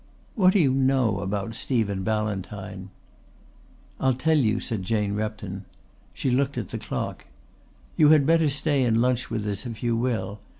"What do you know about Stephen Ballantyne?" "I'll tell you," said Jane Repton. She looked at the clock. "You had better stay and lunch with us if you will.